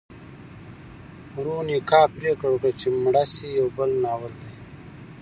ورونیکا پریکړه وکړه چې مړه شي یو بل ناول دی.